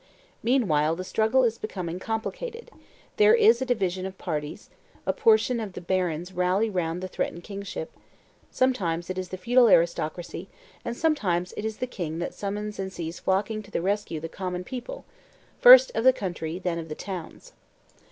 Meanwhile the struggle is becoming complicated; there is a division of parties; a portion of the barons rally round the threatened kingship; sometimes it is the feudal aristocracy, and sometimes it is the king that summons and sees flocking to the rescue the common people, first of the country, then of the towns.